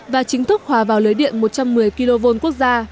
và chính thức hòa vào lưới điện một trăm một mươi kw